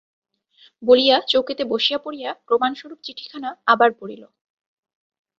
বলিয়া চৌকিতে বসিয়া পড়িয়া প্রমাণস্বরূপ চিঠিখানা আবার পড়িল।